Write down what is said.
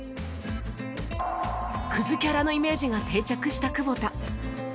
クズキャラのイメージが定着した久保田